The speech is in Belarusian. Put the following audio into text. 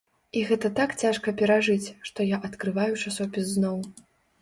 І гэта так цяжка перажыць, што я адкрываю часопіс зноў.